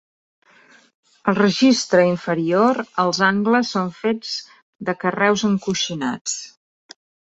Al registre inferior els angles són fets de carreus encoixinats.